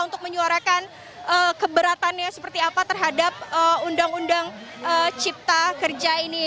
untuk menyuarakan keberatannya seperti apa terhadap undang undang cipta kerja ini